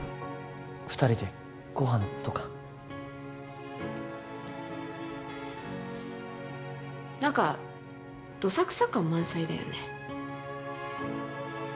二人でご飯とか何かどさくさ感満載だよね